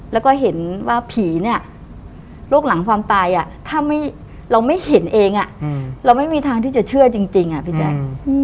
แล้วก็เห็นว่าผีเนี่ยโรคหลังความตายถ้าเราไม่เห็นเองเราไม่มีทางที่จะเชื่อจริงพี่แจ๊ค